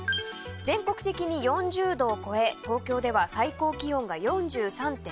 全国的に４０℃を超え東京では最高気温が４３．３℃。